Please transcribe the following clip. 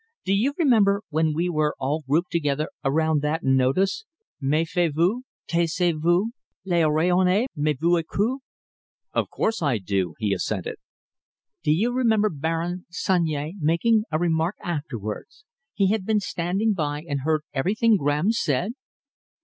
"Do you remember when we were all grouped around that notice Mefiez vous! Taisez vous! Les oreilles ennemies vous ecoutent!?" "Of course I do," he assented. "Do you remember Baron Sunyea making a remark afterwards? He had been standing by and heard everything Graham said."